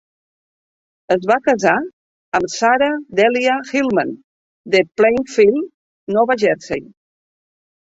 Es va casar amb Sarah Delia Hilman de Plainfield, Nova Jersey.